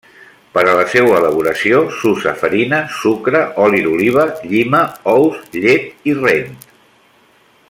Per a la seua elaboració s'usa farina, sucre, oli d'oliva, llima, ous, llet i rent.